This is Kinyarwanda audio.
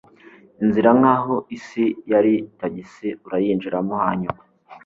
inzira! nkaho isi yari tagisi, urayinjiramo, hanyuma